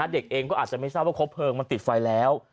เด็กเองก็อาจจะไม่ทราบว่าครบเพลิงมันติดไฟแล้ว